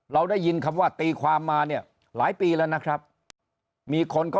ได้ยินคำว่าตีความมาเนี่ยหลายปีแล้วนะครับมีคนก็